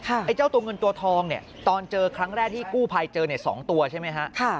ไอ้เจ้าตัวเงินตัวทองเนี่ยตอนเจอครั้งแรกที่กู้ภัยเจอเนี่ย๒ตัวใช่ไหมฮะ